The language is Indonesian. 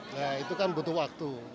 nah itu kan butuh waktu